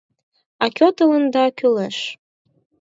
— А кӧ тыланда кӱлеш?